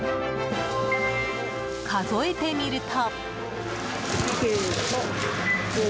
数えてみると。